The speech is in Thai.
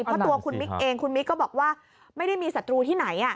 เพราะตัวคุณมิ๊กเองคุณมิ๊กก็บอกว่าไม่ได้มีศัตรูที่ไหน